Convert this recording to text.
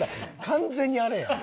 完全にあれやん。